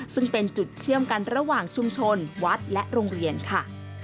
ซึ่งเป็นจุดเชื่อมกันระหว่างชุมชนวัดและโรงเรียนค่ะ